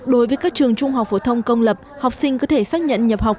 đối với các trường trung học phổ thông công lập học sinh có thể xác nhận nhập học